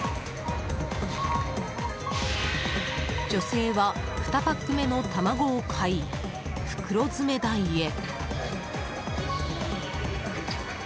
女性は２パック目の卵を買い袋詰め台へ。